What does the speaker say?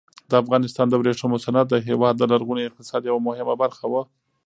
د افغانستان د ورېښمو صنعت د هېواد د لرغوني اقتصاد یوه مهمه برخه وه.